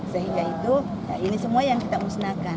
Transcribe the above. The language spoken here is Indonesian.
sehingga itu ini semua yang kita musnahkan